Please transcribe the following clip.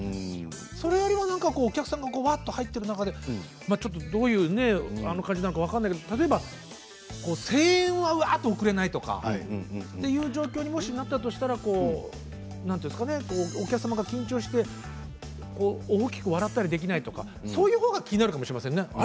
それよりもお客さんがわっと入っている中でどういう感じでやるのか分からないけど声援は送れないとかいう状況になったとしたらお客様が緊張して大きく笑ったりできないとかそういうほうが気になるかもしれないですね。